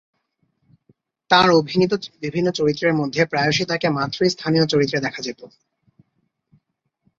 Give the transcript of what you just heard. তাঁর অভিনীত বিভিন্ন চরিত্রের মধ্যে প্রায়শই তাকে মাত্রীস্থানীয় চরিত্রে দেখা যেত।